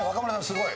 すごい。